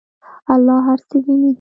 الله هر څه ویني.